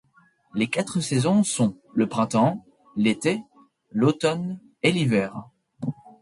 Les quatre saisons sont : le printemps, l’été, l’automne et l’hiver.